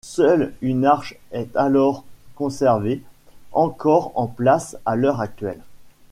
Seule une arche est alors conservée, encore en place à l'heure actuelle.